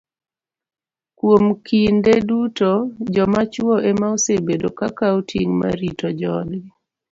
Kuom kinde duto, joma chwo ema osebedo ka kawo ting' mar rito joodgi